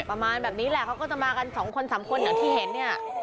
ประมาณแบบนี้แหละเขาก็จะมากัน๒๓คนเหนือที่เห็นเนี่ย